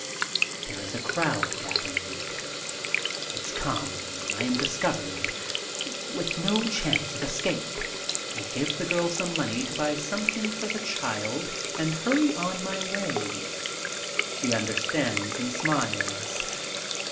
There's a crowd gathering. It's come. I am discovered, with no chance for escape. I give the girl some money to buy something for the child, and hurry on my way. She understands and smiles.